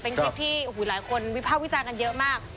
เป็นคลิปที่หลายคนวิภาควิจารณ์กันเยอะมาก